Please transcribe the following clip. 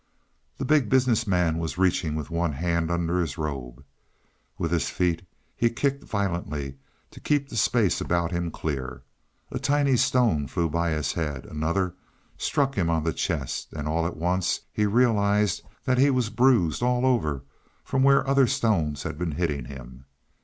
The Big Business Man was reaching with one hand under his robe. With his feet he kicked violently to keep the space about him clear. A tiny stone flew by his head; another struck him on the chest, and all at once he realized that he was bruised all over from where other stones had been hitting him.